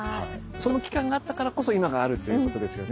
それの期間があったからこそ今があるっていうことですよね。